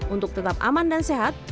untuk tetap aman dan sehat